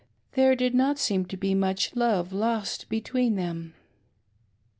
There ^id not seem to be much love lost between them.